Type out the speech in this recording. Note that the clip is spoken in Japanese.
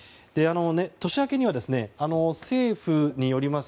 年明けには政府によります